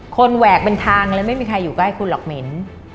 แหวกเป็นทางเลยไม่มีใครอยู่ใกล้คุณหรอกเหม็น